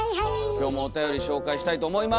今日もおたより紹介したいと思います。